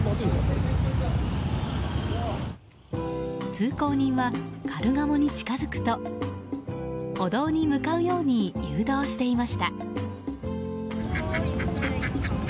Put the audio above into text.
通行人はカルガモに近づくと歩道に向かうように誘導していました。